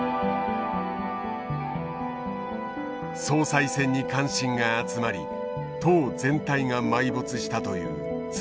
総裁選に関心が集まり党全体が埋没したと言う元。